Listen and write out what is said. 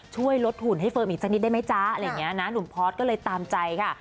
ช่วยลดหุ่นให้เฟิร์มอีกสักนิดได้ไหมจ๊ะอะไรอย่างเงี้ยนะหนุ่มพอร์ตก็เลยตามใจค่ะ